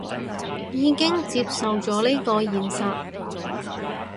已經接受咗呢個現實